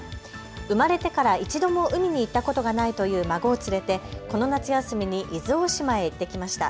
生まれてから一度も海に行ったことがないという孫を連れてこの夏休みに伊豆大島に行ってきました。